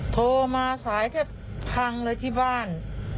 โทรมาสายแทบพังเลยที่บ้าน